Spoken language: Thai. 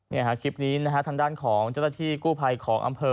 นี่คลิปนี้ธนด้านของเจ้าเนื้อที่กู้พัยของอัมเภอ